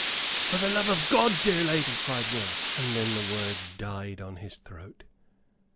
"For the love of God, dear lady " cried Will. And then the words died on his throat.